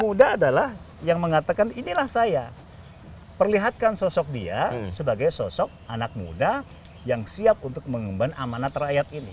muda adalah yang mengatakan inilah saya perlihatkan sosok dia sebagai sosok anak muda yang siap untuk mengemban amanat rakyat ini